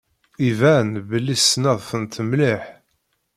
Iban belli tessneḍ-tent mliḥ.